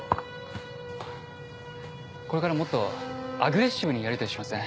これからもっとアグレッシブにやりとりしません？